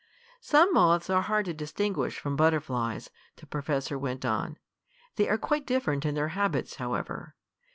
"Some moths are hard to distinguish from butterflies," the professor went on. "They are quite different in their habits, however.